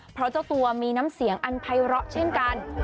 เพราะเจ้าตัวมีน้ำเสียงอันภัยเลาะเช่นกัน